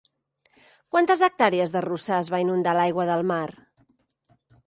Quantes hectàrees d'arrossars va inundar l'aigua del mar?